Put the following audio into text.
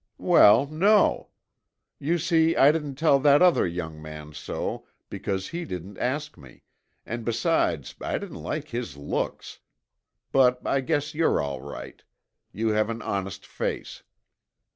"Well, no. You see I didn't tell that other young man so, because he didn't ask me, and besides I didn't like his looks. But I guess you're all right. You have an honest face.